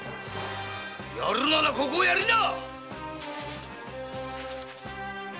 やるならここをやりな！